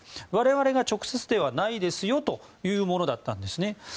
我々が直接ではないですよというものだったんですね。